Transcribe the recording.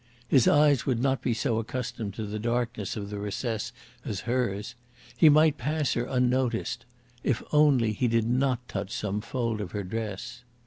His eyes would not be so accustomed to the darkness of the recess as hers. He might pass her unnoticed if only he did not touch some fold of her dress.